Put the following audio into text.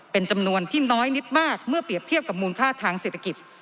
เป็นจำนวนที่น้อยนิดมากเมื่อเปรียบเทียบกับมูลค่าทางเศรษฐกิจ